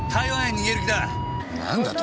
何だと？